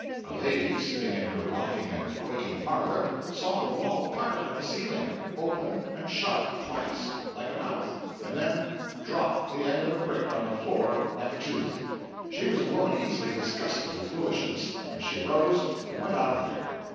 A lady sitting in her rocking and quaking parlor, saw the wall part at the ceiling, open and shut twice, like a mouth, and then drop the end of a brick on the floor like a tooth. She was a woman easily disgusted with foolishness, and she arose and went out of there.